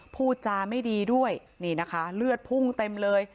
พูดจาไม่ดีด้วยนี่นะคะเลือดพุ่งเต็มเลย